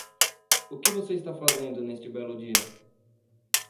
O que você está fazendo neste belo dia?